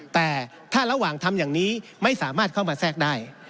แต่ถ้าระหว่างทำอย่างนี้ไม่สามารถเข้ามาแทรกได้